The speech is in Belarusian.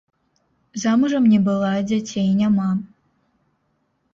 Замужам не была, дзяцей няма.